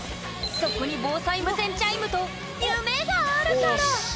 そこに防災無線チャイムと夢があるから！